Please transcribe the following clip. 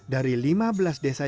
dari lima belas desa yang terkenal